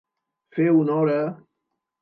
Fer honor a.